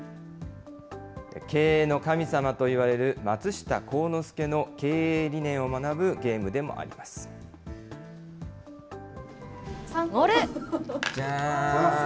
経営の神様といわれる松下幸之助の経営理念を学ぶゲームでもあれ？